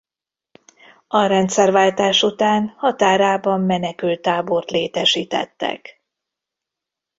A rendszerváltás után határában menekülttábort létesítettek.